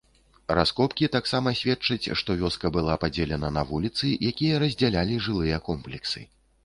Раскопкі таксама сведчаць, што вёска была падзелена на вуліцы, якія раздзялялі жылыя комплексы.